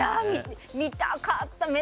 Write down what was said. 見たかった。